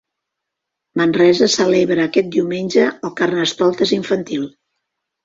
Manresa celebra aquest diumenge el Carnestoltes infantil.